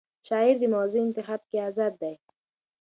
شاعر د موضوع انتخاب کې آزاد دی.